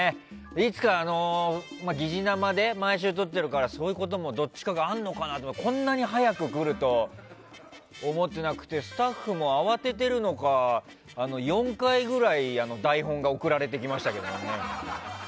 いつか、疑似生で毎週撮ってるからどっちかがそういうこともあるのかなって思ってたらこんなに早く来ると思ってなくてスタッフも慌ててるのか４回ぐらい台本が送られてきましたけどね。